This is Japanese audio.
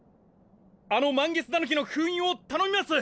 あの満月狸の封印を頼みます！